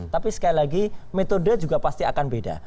tapi sekali lagi metode juga pasti akan beda